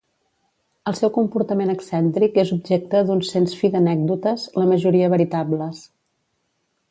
El seu comportament excèntric és objecte d'un sens fi d'anècdotes, la majoria veritables.